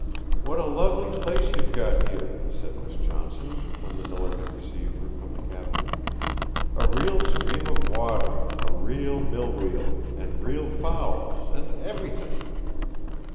'What a lovely place you've got here!' said Miss Johnson, when the miller had received her from the captain. 'A real stream of water, a real mill wheel, and real fowls, and everything!'